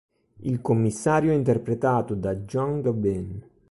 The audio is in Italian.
Il commissario è interpretato da Jean Gabin.